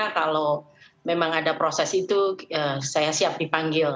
kalau memang ada proses itu saya siap dipanggil